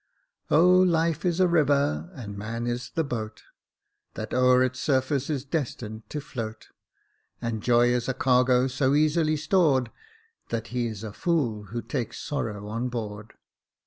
" Oh life is a river, and man is the boat That over its surface is destined to float ; And joy is a cargo so easily stored, That he is a fool who takes sorrow on board."